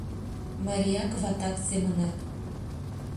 Марияк-ватак семынак.